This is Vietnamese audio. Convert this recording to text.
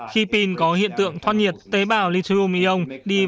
khi pin có hiện tượng thoát nhiệt tế bào lithium ion đi vào trái